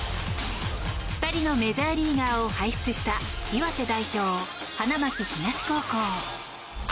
２人のメジャーリーガーを輩出した岩手代表、花巻東高校。